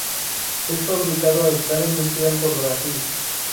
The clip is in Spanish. Es fabricado a escala industrial por Brasil.